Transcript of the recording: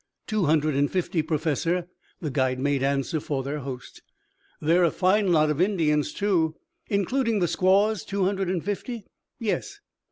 "Two hundred and fifty, Professor," the guide made answer for their host. "They are a fine lot of Indians, too." "Including the squaws, two hundred and fifty?" "Yes."